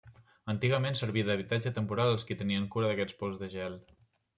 Antigament servia d'habitatge temporal als qui tenien cura d'aquests pous de gel.